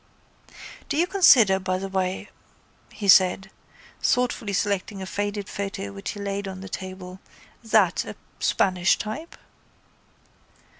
—Do you consider, by the by, he said, thoughtfully selecting a faded photo which he laid on the table, that a Spanish type?